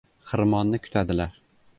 • Xirmonni kutadilar.